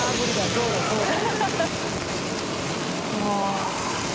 そうだそうだ」